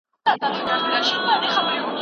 د مقالي هره برخه باید په دقت وڅېړل سي.